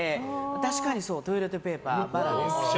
確かに、トイレットペーパーはバラです。